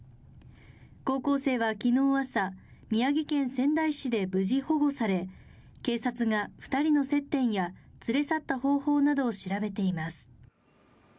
高校生は昨日朝、宮城県仙台市で無事保護され警察が２人の接点や連れ去った方法などを調べています。